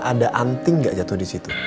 ada anting nggak jatuh di situ